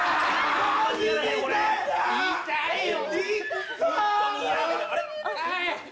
痛いよ！